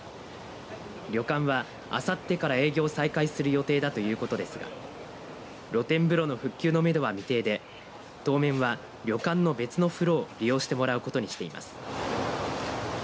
旅館はあさってから営業を再開する予定だということですが露天風呂の復旧のめどは未定で当面は旅館の別の風呂を利用してもらうことにしています。